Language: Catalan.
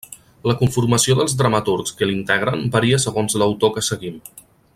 La conformació dels dramaturgs que l'integren varia segons l'autor que seguim.